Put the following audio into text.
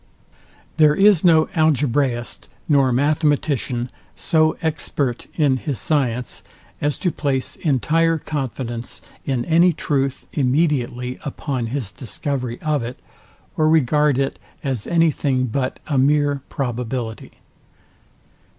There is no Algebraist nor Mathematician so expert in his science, as to place entire confidence in any truth immediately upon his discovery of it, or regard it as any thing, but a mere probability.